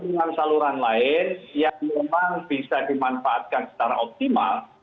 dengan saluran lain yang memang bisa dimanfaatkan secara optimal